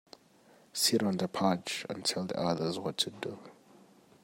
Sit on the perch and tell the others what to do.